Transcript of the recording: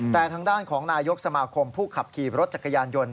แต่ทางด้านของนายกสมาคมผู้ขับขี่รถจักรยานยนต์